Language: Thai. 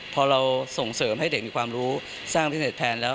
พอเราส่งเสริมให้เด็กมีความรู้สร้างพิเศษแทนแล้ว